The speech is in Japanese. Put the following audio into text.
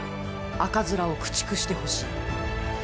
赤面を駆逐してほしい！